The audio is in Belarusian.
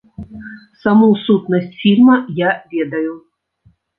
Саму сутнасць фільма я ведаю.